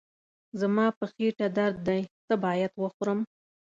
زما په خېټه درد دی، څه باید وخورم؟